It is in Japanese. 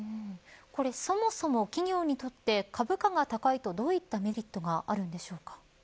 そもそも企業にとって株価が高いとどういったメリットがあるのでしょうか。